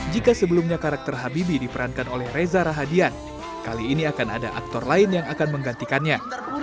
jika sebelumnya karakter habibie diperankan oleh reza rahadian kali ini akan ada aktor lain yang akan menggantikannya